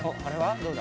どうだ？